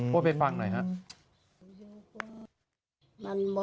ไปฟังหน่อยครับ